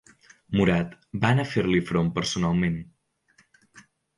Murat va anar a fer-li front personalment.